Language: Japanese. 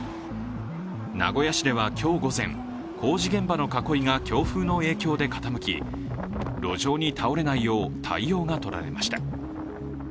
名古屋市では今日午前、工事現場の囲いが強風の影響で傾き、路上に倒れないよう対応が取られました。